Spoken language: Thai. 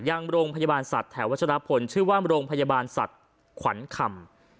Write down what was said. ยังโรงพยาบาลสัตว์แถววัชรพลชื่อว่าโรงพยาบาลสัตว์ขวัญคำ